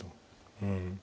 うん。